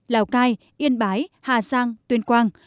lào cai yên bái hà giang tuyên quang